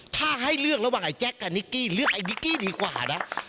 ถ้าให้เลือกระหว่างไอ้แจ๊คกับนิกกี้เลือกไอ้นิกกี้ดีกว่านะ